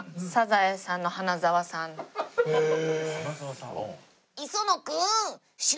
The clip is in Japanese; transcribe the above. へえ。